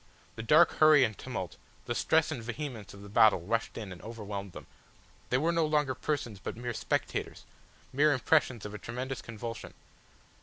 The dark hurry and tumult, the stress and vehemence of the battle rushed in and overwhelmed them. They were no longer persons but mere spectators, mere impressions of a tremendous convulsion.